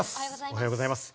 おはようございます。